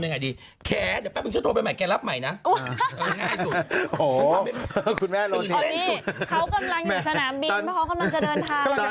นี่ไงดีเขากำลังอยู่สนามบินเพราะเขากำลังจะเดินทาง